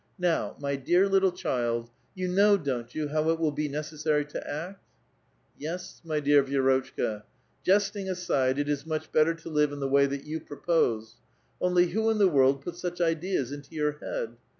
Now, my dear little child, you know, don't you, how it will be necessaiy to act?" " Yes, my dear Vi^rotchka, jesting aside, it is much better to live in the way that you propose. Only, who in the world put such ideas into your head?